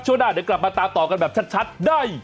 หน้าเดี๋ยวกลับมาตามต่อกันแบบชัดได้